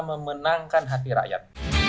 memenangkan hati rakyat